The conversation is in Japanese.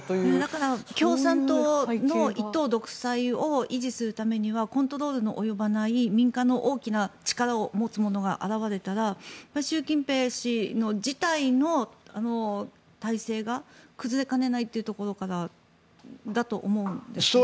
だから、共産党の一党独裁を維持するためにはコントロールの及ばない民間の大きな力を持つ者が現れたら習近平氏自体の体制が崩れかねないというところだと思うんですけども。